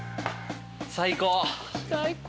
最高。